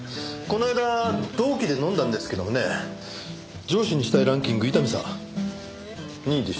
この間同期で飲んだんですけどもね上司にしたいランキング伊丹さん２位でしたよ。